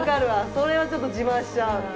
それはちょっと自慢しちゃう。